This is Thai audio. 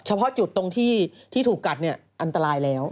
เฉพาะจุดตรงที่ถูกกัดเนี่ยอันตรายแล้ว